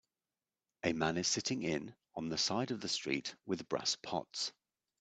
A man is sitting in on the side of the street with brass pots.